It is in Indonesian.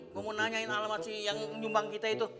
gue mau nanyain alamat si yang nyumbang kita itu